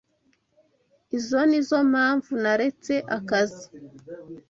Izoi nizoo mpamvu naretse akazi.